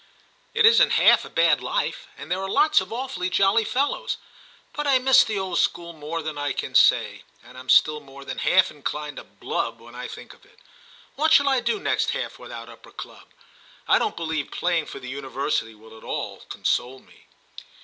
It isn't half a bad life, and there are lots of awfully jolly fellows ; but I miss the old school more than I can say, and am still more than half inclined to blub when I think of it. What shall I do next half without Upper Club ? I don't believe playing for the University will at all console me.'